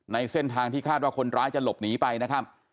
ในเส้นทางที่คาดว่าคนร้ายจะหลบหนีไปนะครับ